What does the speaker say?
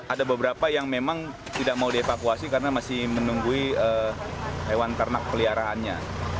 ada beberapa yang memang tidak mau dievakuasi karena masih menunggui hewan ternak peliharaannya